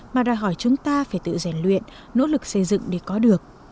mà đòi hỏi chúng ta phải tự rèn luyện nỗ lực xây dựng để có được